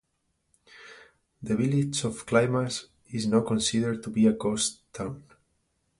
The village of Climax is now considered to be a ghost town.